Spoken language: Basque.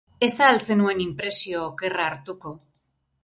Ez ahal zenuen inpresio okerra hartuko.